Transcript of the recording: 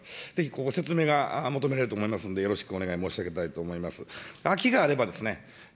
ぜひここ、説明が求められると思うので、よろしくお願い申し上げたいと思います。